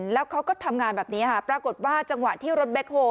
แล้วเขาก็ทำงานแบบนี้ค่ะปรากฏว่าจังหวะที่รถแคคโฮล